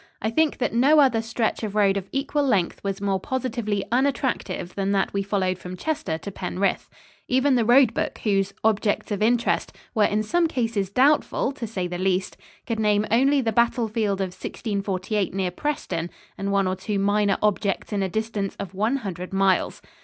I think that no other stretch of road of equal length was more positively unattractive than that we followed from Chester to Penrith. Even the road book, whose "objects of interest" were in some cases doubtful, to say the least, could name only the battlefield of 1648 near Preston and one or two minor "objects" in a distance of one hundred miles.